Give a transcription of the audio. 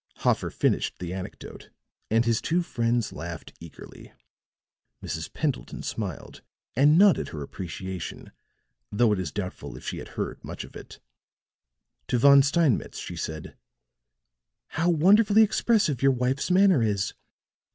Hoffer finished the anecdote and his two friends laughed eagerly; Mrs. Pendleton smiled and nodded her appreciation though it is doubtful if she had heard much of it. To Von Steinmetz she said: "How wonderfully expressive your wife's manner is!